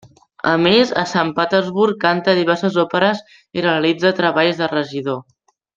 A més a Sant Petersburg canta diverses òperes i realitza treballs de regidor.